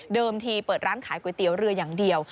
ทีเปิดร้านขายก๋วยเตี๋ยวเรืออย่างเดียว